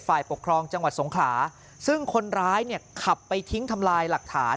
ฝ่ายปกครองจังหวัดสงขลาซึ่งคนร้ายเนี่ยขับไปทิ้งทำลายหลักฐาน